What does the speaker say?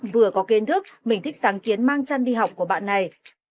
vừa có kiến thức mình thích sáng kiến mang chăn đi học của bạn này